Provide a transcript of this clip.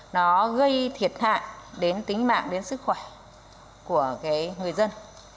nó gây thiệt hại đến tính mạng đến sức khỏe của người dân